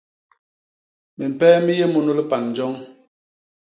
Mimpee mi yé munu lipan joñ.